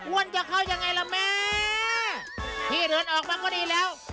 จะเข้ายังไงล่ะแม่พี่เดินออกมาก็ดีแล้ว